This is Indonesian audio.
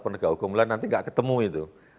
penegak hukum lain nanti nggak ketemu itu